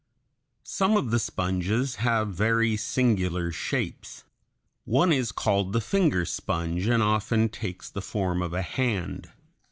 ] Some of the sponges have very singular shapes. One is called the finger sponge, and often takes the form of a hand.